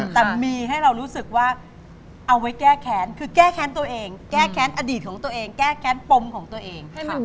แต่มีให้เรารู้สึกว่าเอาไว้แก้แค้นคือแก้แค้นตัวเองแก้แค้นอดีตของตัวเองแก้แค้นปมของตัวเอง